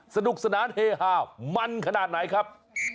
สนุกสนานเฮฮามันขนาดไหนครับ